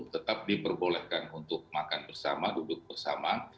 tetap diperbolehkan untuk makan bersama duduk bersama